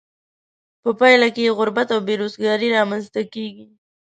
په پایله کې یې غربت او بې روزګاري را مینځ ته کیږي.